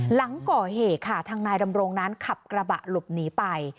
หลังก่อเหตุค่ะทางนายดำรงนั้นขับกระบะหลบหนีไป